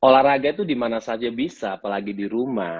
olahraga itu dimana saja bisa apalagi di rumah